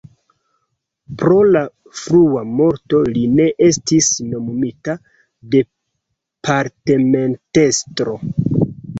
Pro la frua morto li ne estis nomumita departementestro.